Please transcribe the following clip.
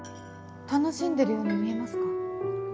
楽しんでるように見えますか？